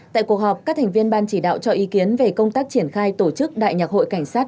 tại cuộc họp các thành viên ban chỉ đạo cho ý kiến về công tác triển khai tổ chức đại nhạc hội cảnh sát